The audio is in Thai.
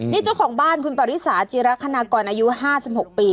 นี่เจ้าของบ้านคุณปริสาจิรคณากรอายุ๕๖ปี